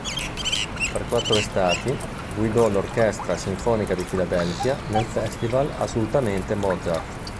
Per quattro estati, guidò l'Orchestra Sinfonica di Filadelfia nel festival "Assolutamente Mozart".